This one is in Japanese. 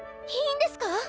いいんですか